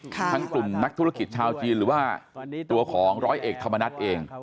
ทั้งกลุ่มนักธุรกิจชาวจีนหรือว่าตัวของร้อยเอกธรรมนัฐเอง